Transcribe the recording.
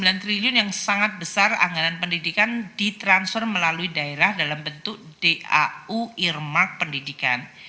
sembilan triliun yang sangat besar anggaran pendidikan ditransfer melalui daerah dalam bentuk dau irmak pendidikan